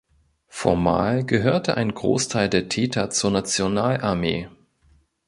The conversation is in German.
Formal gehörte ein Großteil der Täter zur Nationalarmee.